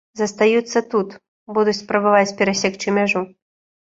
Застаюцца тут, будуць спрабаваць перасекчы мяжу.